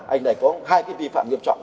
anh này có hai cái vi phạm nghiêm trọng